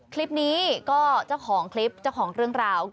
คลิปนี้ก็เจ้าของคลิปเจ้าของเรื่องราว